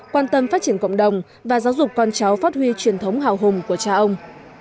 quan tâm phát triển cộng đồng và giáo dục con cháu phát huy truyền thống hào hùng của cha ông